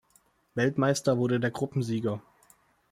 Weltmeister wurde der Gruppensieger.